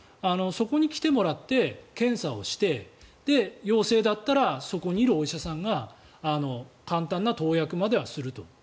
そこに来てもらって検査をして、陽性だったらそこにいるお医者さんが簡単な投薬まではすると。